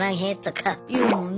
言うもんね。